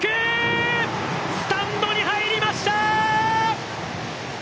スタンドに入りましたー！！